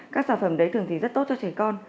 các sản phẩm đấy thường thì rất tốt cho trẻ con